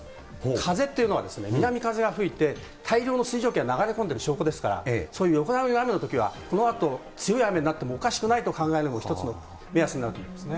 風っていうのは、南風が吹いて、大量の水蒸気が流れ込んでる証拠ですから、そういう横殴りの雨のときは、このあと強い雨になってもおかしくないと考えるのも一つの目安になると思うんですね。